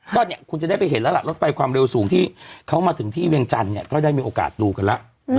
ก็เนี่ยคุณจะได้ไปเห็นแล้วล่ะรถไฟความเร็วสูงที่เขามาถึงที่เวียงจันทร์เนี่ยก็ได้มีโอกาสดูกันแล้ว